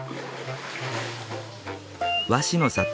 和紙の里